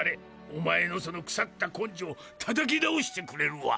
お前のそのくさったこんじょうたたき直してくれるわ！